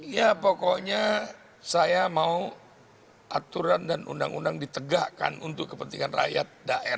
ya pokoknya saya mau aturan dan undang undang ditegakkan untuk kepentingan rakyat